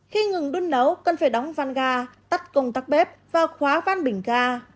khi ngừng đun nấu cần phải đóng văn ga tắt cùng tắc bếp và khóa văn bình ga